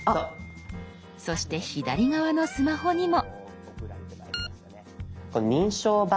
そして左側のスマホにも。